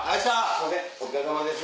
すいませんお疲れさまです。